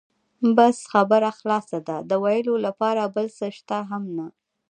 بس خبره خلاصه ده، د وېلو لپاره بل څه شته هم نه.